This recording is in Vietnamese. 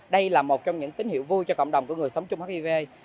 đây là một trong những tín hiệu vui cho cộng đồng của người sống trong hiv